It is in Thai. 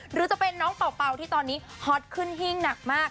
หรือจะเป็นน้องเป่าที่ตอนนี้ฮอตขึ้นหิ้งหนักมาก